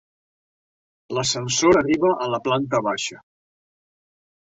L'ascensor arriba a la planta baixa.